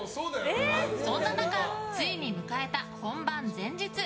そんな中、ついに迎えた本番前日。